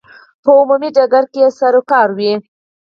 په عمومي ډګر کې یې سروکار وي.